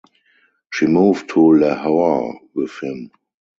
She moved to Lahore with him.